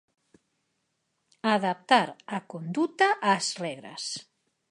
Adaptar a conducta ás regras.